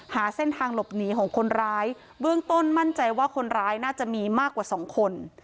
หาเส้นทางหลบหนีของคนร้ายเบื้องต้นมั่นใจว่าคนร้ายน่าจะมีมากกว่าสองคน